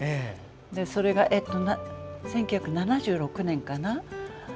それが１９７６年かな？